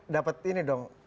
dapat ini dong